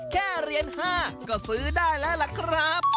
แค่เรียน๕ก็ซื้อได้ละครับ